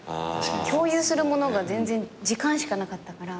共有するものが時間しかなかったから。